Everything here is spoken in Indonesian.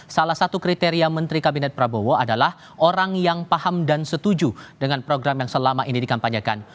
salah satu kriteria menteri kabinet prabowo adalah orang yang paham dan setuju dengan program yang selama ini dikampanyekan